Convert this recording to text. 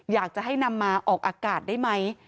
อยากจะให้นำมาออกอากาศได้ไหม